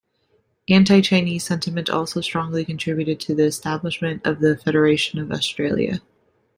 Anti-Chinese sentiment also strongly contributed to the establishment of the Federation of Australia.